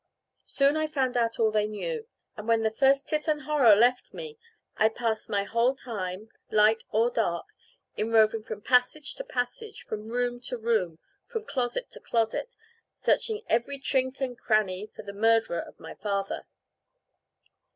Soon I found out all they knew, and when the first tit and horror left me, I passed my whole time, light or dark, in roving from passage to passage, from room to room, from closet to closet, searching every chink and cranny for the murderer of my father.